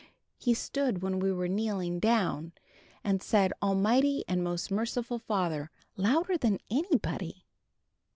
He stood when we were kneeling down, and said, Almighty and most merciful Father, louder than anybody."